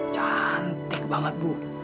cantik banget bu